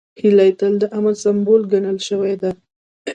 هیلۍ تل د امن سمبول ګڼل شوې ده